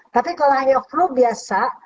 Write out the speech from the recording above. tapi kalau hanya flu biasa